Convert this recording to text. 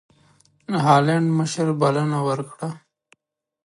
هالنډ مشر بلنه ورکړه.